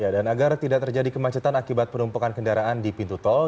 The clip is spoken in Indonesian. agar tidak terjadi kemacetan akibat penumpukan kendaraan di pintu tol